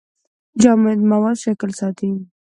جامد مواد شکل ساتي.